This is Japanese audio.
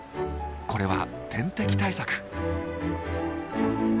これは天敵対策。